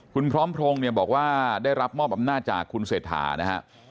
คุณพร้อมพงศ์เนี่ยบอกว่าได้รับมอบอำนาจจากคุณเศรษฐานะฮะ